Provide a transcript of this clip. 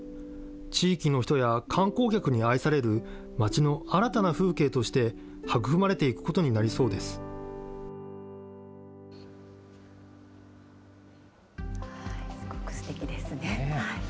地域の人や観光客に愛される町の新たな風景として、育まれていくすごくすてきですね。